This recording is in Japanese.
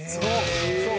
そう！